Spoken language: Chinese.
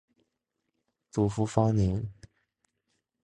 祖父方宁。